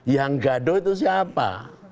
yang gaduh itu siapa